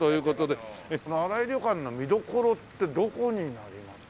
この新井旅館の見どころってどこになりますか？